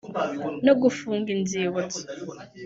no gufunga inzibutso